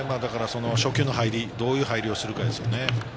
初球の入り、どういう入りをするかですよね。